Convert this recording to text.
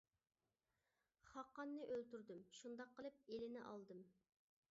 خاقاننى ئۆلتۈردۈم، شۇنداق قىلىپ ئېلىنى ئالدىم.